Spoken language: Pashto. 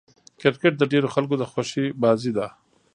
کرکټ د ډېرو خلکو د خوښي بازي ده.